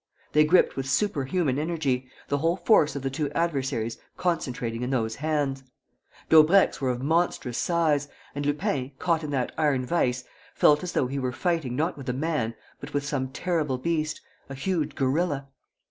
They gripped with superhuman energy, the whole force of the two adversaries concentrating in those hands. Daubrecq's were of monstrous size; and Lupin, caught in that iron vise, felt as though he were fighting not with a man, but with some terrible beast, a huge gorilla.